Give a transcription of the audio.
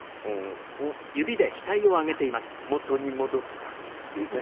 「あっ元に戻った」っていうね